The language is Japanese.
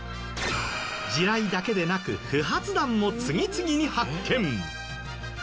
地雷だけでなく不発弾も次々に発見。